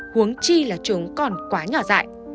huống chi là chúng còn quá nhỏ dại